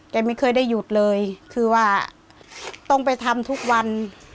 ไม่เคยได้หยุดเลยคือว่าต้องไปทำทุกวัน